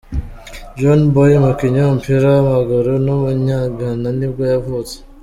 John Boye, umukinnyi w’umupira w’amaguru w’umunyagana nibwo yavutse.